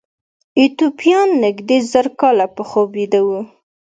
ایتوپیایان نږدې زر کاله په خوب ویده وو.